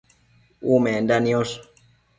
Umenda niosh